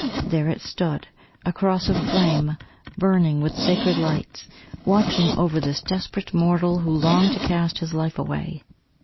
There it stood, a cross of flame, burning with sacred light, watching over this desperate mortal who longed to cast his life away.